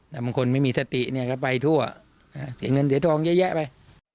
แต่บางคนไม่มีสติเนี่ยก็ไปทั่วเสียเงินเสียทองเยอะแยะไป